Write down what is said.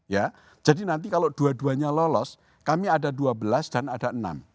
ya jadi nanti kalau dua duanya lolos kami ada dua belas dan ada enam